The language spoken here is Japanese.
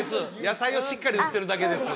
野菜をしっかり売ってるだけです